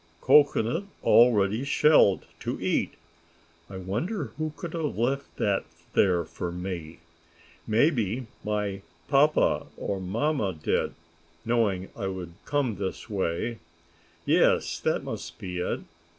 "Cocoanut already shelled to eat. I wonder who could have left that there for me. Maybe my papa or mamma did, knowing I would come this way. Yes, that must be it.